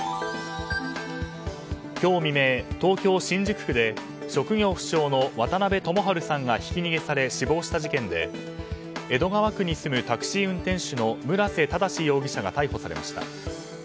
今日未明、東京・新宿区で職業不詳の渡辺知晴さんがひき逃げされ死亡した事件で江戸川区に住むタクシー運転手の村瀬正容疑者が逮捕されました。